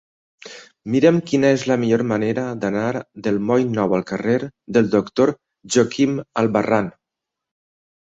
Mira'm quina és la millor manera d'anar del moll Nou al carrer del Doctor Joaquín Albarrán.